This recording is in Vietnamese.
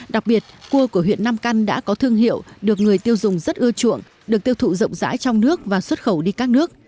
đặc biệt cua của huyện nam căn đã có thương hiệu được người tiêu dùng rất ưa chuộng được tiêu thụ rộng rãi trong nước và xuất khẩu đi các nước